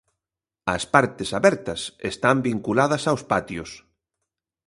As partes abertas están vinculadas aos patios.